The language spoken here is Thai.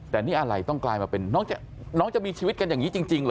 แต่นี่อะไรต้องกลายมาเป็นน้องจะมีชีวิตกันอย่างนี้จริงเหรอ